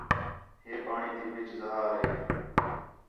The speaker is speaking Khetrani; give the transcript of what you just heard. ہے پاݨی تی وِچ زہار ہے